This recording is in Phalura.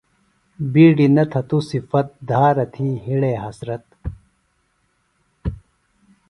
بِیڈیۡ نہ تھہ تو صِفت دھارہ تھی ہِڑے حسرت۔